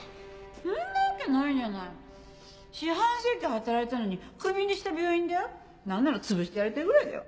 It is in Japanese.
そんなわけないじゃない四半世紀働いたのにクビにした病院だ何ならつぶしてやりたいぐらいだよ